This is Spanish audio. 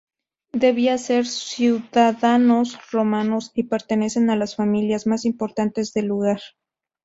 Debían ser ciudadanos romanos y pertenecer a las familias más importantes del lugar.